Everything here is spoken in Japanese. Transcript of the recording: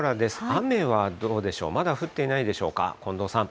雨はどうでしょう、まだ降っていないでしょうか、近藤さん。